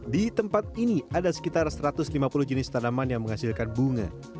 di tempat ini ada sekitar satu ratus lima puluh jenis tanaman yang menghasilkan bunga